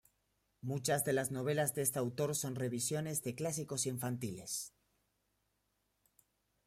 Muchas de las novelas de este autor son revisiones de clásicos infantiles.